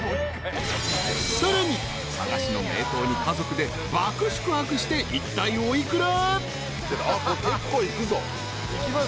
［さらに佐賀市の名湯に家族で爆宿泊していったいお幾ら？］